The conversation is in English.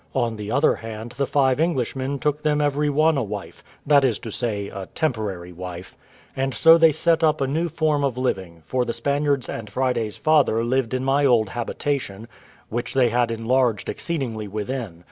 On the other hand, the five Englishmen took them every one a wife, that is to say, a temporary wife; and so they set up a new form of living; for the Spaniards and Friday's father lived in my old habitation, which they had enlarged exceedingly within.